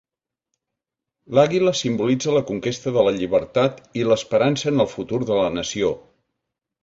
L'àguila simbolitza la conquesta de la llibertat i l'esperança en el futur de la nació.